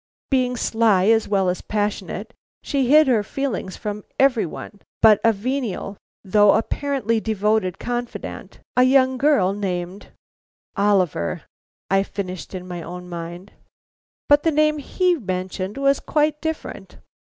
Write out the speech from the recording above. Being sly as well as passionate, she hid her feelings from every one but a venial, though apparently devoted confidante, a young girl named " "Oliver," I finished in my own mind. But the name he mentioned was quite different.